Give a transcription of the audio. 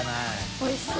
おいしそう。